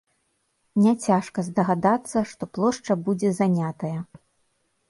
Няцяжка здагадацца, што плошча будзе занятая.